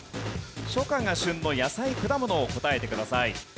初夏が旬の野菜・果物を答えてください。